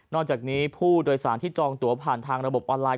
จากนี้ผู้โดยสารที่จองตัวผ่านทางระบบออนไลน